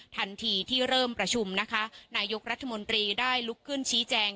ทันทีที่เริ่มประชุมนะคะนายกรัฐมนตรีได้ลุกขึ้นชี้แจง